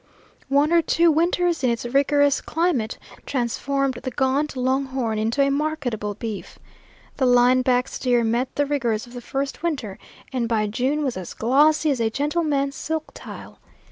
One or two winters in its rigorous climate transformed the gaunt long horn into a marketable beef. The line back steer met the rigors of the first winter and by June was as glossy as a gentleman's silk tile.